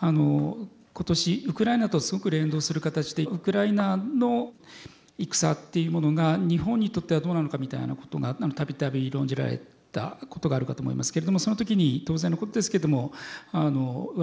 あの今年ウクライナとすごく連動する形でウクライナの戦っていうものが日本にとってはどうなのかみたいなことが度々論じられたことがあるかと思いますけれどもその時に当然のことですけども話題になるのはアメリカ軍の基地。